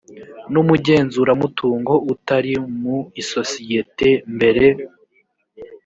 n umugenzuramutungo utari mu isosiyete mbere